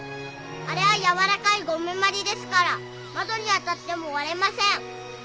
あれは軟らかいゴムまりですから窓に当たっても割れません。